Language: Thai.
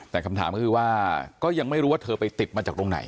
แต่คำถามก็คือว่าก็ยังไม่รู้ว่าเธอไปติดมาจากตรงไหน